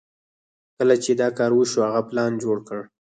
کله چې دا کار وشو هغه پلان جوړ کړ.